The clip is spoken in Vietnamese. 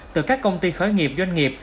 từ các công ty khởi nghiệp doanh nghiệp